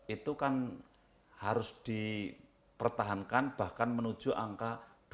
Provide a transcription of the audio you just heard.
itu kan harus dipertahankan bahkan menuju angka dua satu